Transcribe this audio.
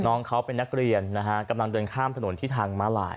น้องเขาเป็นนักเรียนนะฮะกำลังเดินข้ามถนนที่ทางม้าลาย